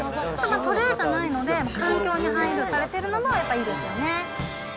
トレイじゃないので、環境に配慮されてるのもやっぱりいいですよ